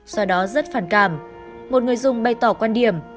do đó rất phản cảm một người dùng bày tỏ quan điểm